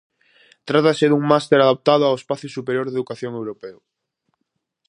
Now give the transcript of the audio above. Trátase dun máster adaptado ao Espazo Superior de Educación Europeo.